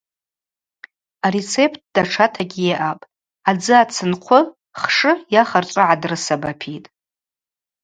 Арецепт датшатагьи йаъапӏ: адзы ацынхъвы хшы йа хырчӏвы гӏадрысабапитӏ.